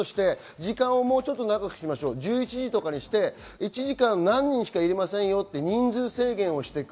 さらに時間をもうちょっと長くしましょう、１１時などにして１時間何人しか入れませんよという人数制限をする。